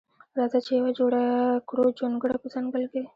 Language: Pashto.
راځه چې یوه جوړه کړو جونګړه په ځنګل کښې